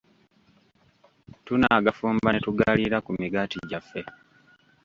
Tunaagafumba ne tugaliira ku migaati gyaffe.